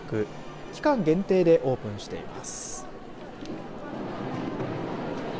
期間限定でオープンしています。